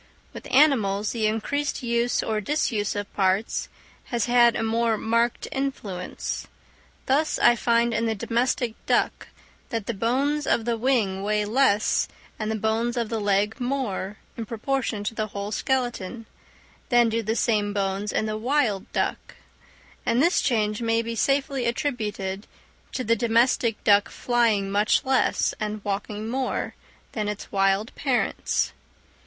With animals the increased use or disuse of parts has had a more marked influence; thus I find in the domestic duck that the bones of the wing weigh less and the bones of the leg more, in proportion to the whole skeleton, than do the same bones in the wild duck; and this change may be safely attributed to the domestic duck flying much less, and walking more, than its wild parents.